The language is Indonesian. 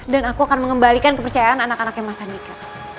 dan aku akan mengembalikan kepercayaan anak anaknya mas andika